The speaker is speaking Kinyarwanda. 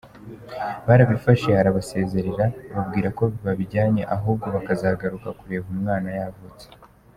Barabifashe arabasezerera, ababwira ko babijyana ahubwo bakazagaruka kureba umwana yavutse.